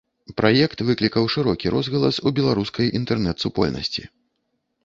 Праект выклікаў шырокі розгалас ў беларускай інтэрнэт-супольнасці.